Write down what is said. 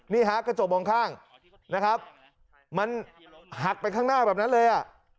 นี่ฮะกระจกมองข้างนะครับมันหักไปข้างหน้าแบบนั้นเลยอ่ะ